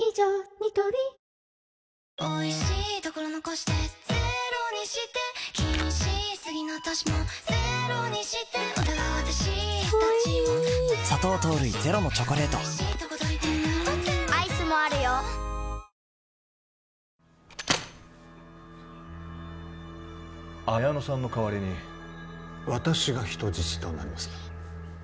ニトリ彩乃さんの代わりに私が人質となります